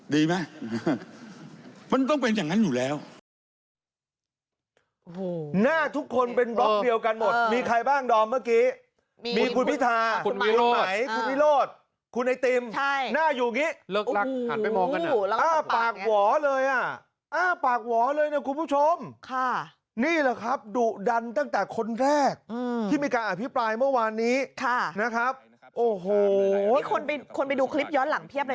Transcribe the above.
ถามมาแล้วไม่เจ็ดคุกดีไหมมันต้องเป็นอย่างนั้นอยู่แล้ว